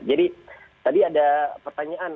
jadi tadi ada pertanyaan